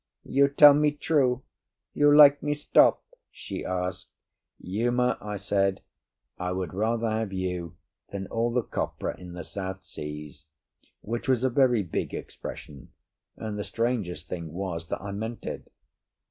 "You tell me true? You like me stop?" she asked. "Uma," I said, "I would rather have you than all the copra in the South Seas," which was a very big expression, and the strangest thing was that I meant it.